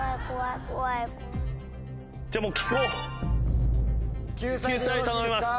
じゃあもう聞こう救済頼みます。